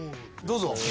どうぞ。